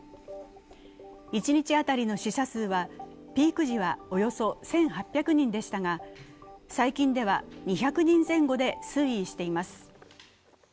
一日当たりの死者数はピーク時はおよそ１８００人でしたが最近では２００人前後で推移しています。